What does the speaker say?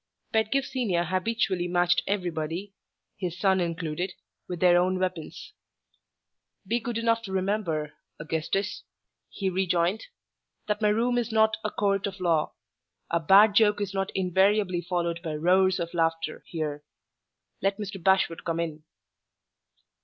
Pedgift Senior habitually matched everybody his son included with their own weapons. "Be good enough to remember, Augustus," he rejoined, "that my Room is not a Court of Law. A bad joke is not invariably followed by 'roars of laughter' here. Let Mr. Bashwood come in."